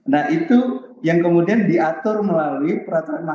nah itu yang kemudian diatur melalui peraturan mahkamah